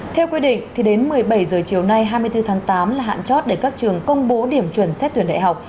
theo quy định đến một mươi bảy h chiều nay hai mươi bốn tháng tám là hạn chót để các trường công bố điểm chuẩn xét tuyển đại học